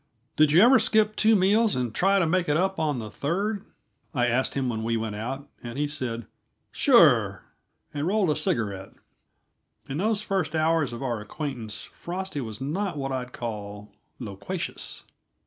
"Did you ever skip two meals and try to make it up on the third?" I asked him when we went out, and he said "Sure," and rolled a cigarette. In those first hours of our acquaintance Frosty was not what I'd call loquacious.